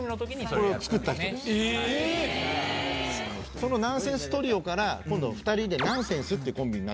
そのナンセンストリオから今度２人でナンセンスっていうコンビになったんですね。